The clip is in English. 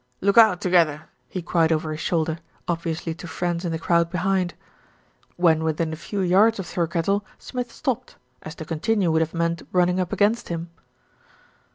"Look out, together," he cried over his shoulder, obviously to friends in the crowd behind. When within a few yards of Thirkettle, Smith stopped, as to continue would have meant running up against him.